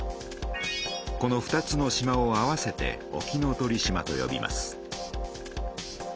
この２つの島を合わせて沖ノ鳥島とよびます。